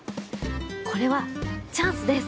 これはチャンスです。